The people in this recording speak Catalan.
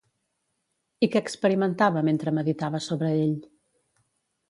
I què experimentava mentre meditava sobre ell?